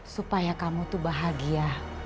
supaya kamu tuh bahagia